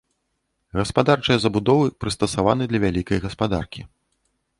Гаспадарчыя забудовы прыстасаваны для вялікай гаспадаркі.